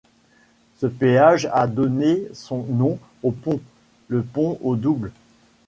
Ce péage a donné son nom au pont, le pont au Double.